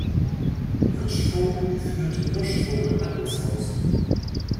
Hirschvogel geführte Hirschvogel-Handelshaus.